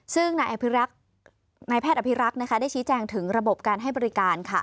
ซึ่งนายแพทย์อภิรักษ์ได้ชี้แจงถึงระบบการให้บริการ